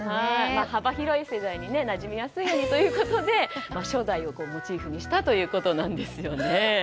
幅広い世代になじみやすいようにということで初代をモチーフにしたということなんです。